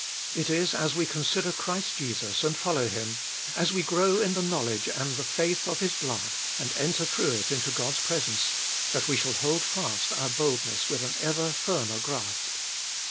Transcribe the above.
It is as we consider Christ Jesus, and follow Him ; as we grow in the knowledge and the faith of His blood, and enter through it into God's presence, that we shall hold fast our boldness with an ever firmer grasp.